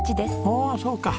あそうか。